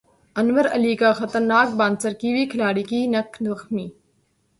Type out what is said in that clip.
انور علی کا خطرناک bouncer Kiwi کھلاڑی کی نکھ زخمی